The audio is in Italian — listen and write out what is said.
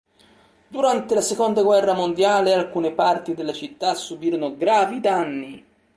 Durante la seconda guerra mondiale, alcune parti della città subirono gravi danni.